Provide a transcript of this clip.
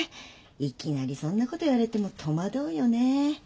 いきなりそんなこと言われても戸惑うよね。